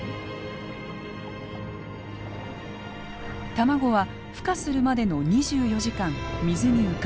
卵はふ化するまでの２４時間水に浮かびます。